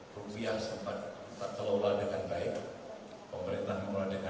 rupiah sempat telola dengan baik